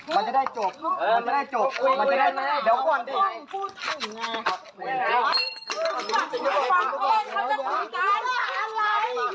มันจะได้จบมันจะได้จบมันจะได้ไม่ได้เดี๋ยวก่อนด้วย